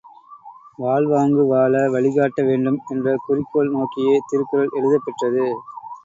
வாழ்வாங்கு வாழ வழி காட்ட வேண்டும் என்ற குறிக்கோள் நோக்கியே திருக்குறள் எழுதப் பெற்றது.